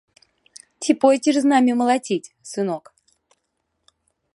Ці пойдзеш з намі малаціць, сынок?